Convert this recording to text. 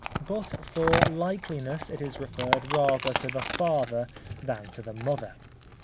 But for likeliness it is referred rather to the father than to the mother.